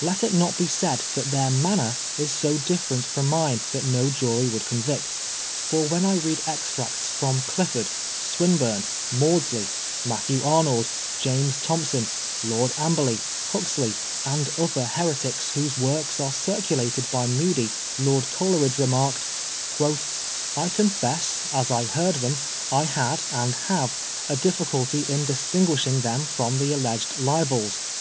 Let it not be said that their manner is so different from mine that no jury would convict ; for when I read extracts from Clifford^ Swinburne, Maudsley, Matthew Arnold, James Thom son, Lord Amberley, Huxley, and other heretics whose works are circulated by Mudie, Lord Coleridge remarked " I confess, as I heard them, I had, and have a difficulty in distinguishing them from the alleged libels.